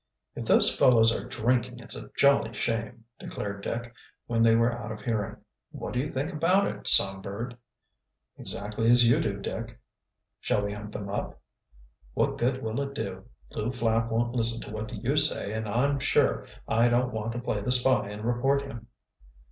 "If those fellows are drinking it's a jolly shame," declared Dick, when they were out of hearing. "What do you think about it, Songbird?" "Exactly as you do, Dick." "Shall we hunt them up?" "What good will it do? Lew Flapp won't listen to what you say, and I'm sure I don't want to play the spy and report him."